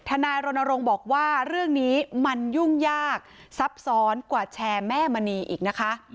นายรณรงค์บอกว่าเรื่องนี้มันยุ่งยากซับซ้อนกว่าแชร์แม่มณีอีกนะคะ